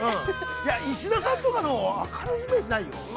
石田さんとかは明るいイメージないよ。